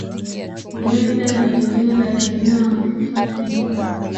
kulevya na wengine laki nne wanakufa kila